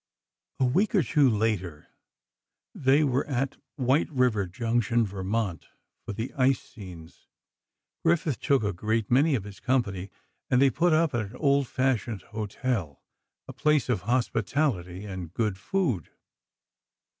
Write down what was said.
A week or two later, they were at White River Junction. Vermont, for the ice scenes. Griffith took a good many of his company, and they put up at an old fashioned hotel, a place of hospitality and good food.